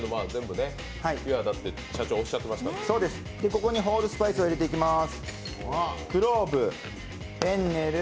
ここにホールスパイスを入れていきます。